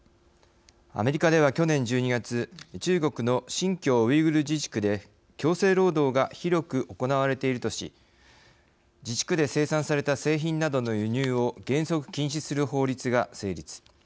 アメリカでは、去年１２月中国の新疆ウイグル自治区で強制労働が広く行われているとし自治区で生産された製品などの輸入を原則禁止する法律が成立。